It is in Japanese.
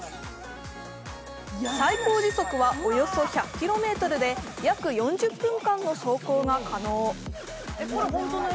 最高時速は、およそ１００キロメートルで約４０分間の走行が可能。